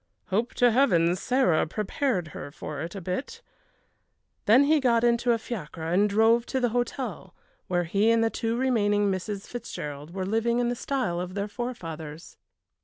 "Hope to Heavens Sarah prepared her for it a bit." Then he got into a fiacre and drove to the hotel, where he and the two remaining Misses Fitzgerald were living in the style of their forefathers.